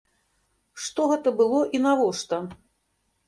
Што гэта было і навошта?